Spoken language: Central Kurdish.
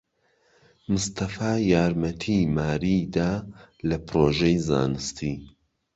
مستەفا یارمەتیی ماریی دا لە پرۆژەی زانستی.